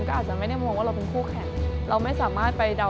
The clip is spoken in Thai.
พลอยเชื่อว่าเราก็จะสามารถชนะเพื่อนที่เป็นผู้เข้าประกวดได้เหมือนกัน